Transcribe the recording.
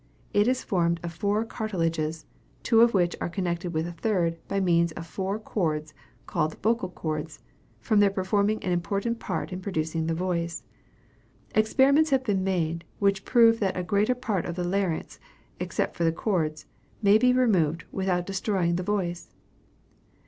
It is formed of four cartilages, two of which are connected with a third, by means of four chords, called vocal chords, from their performing an important part in producing the voice. Experiments have been made, which prove that a greater part of the larynx, except these chords, may be removed without destroying the voice.